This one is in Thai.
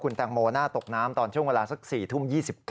แตงโมน่าตกน้ำตอนช่วงเวลาสัก๔ทุ่ม๒๙